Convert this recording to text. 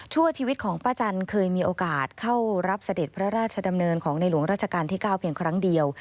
ชีวิตของป้าจันทร์เคยมีโอกาสเข้ารับเสด็จพระราชดำเนินของในหลวงราชการที่๙เพียงครั้งเดียว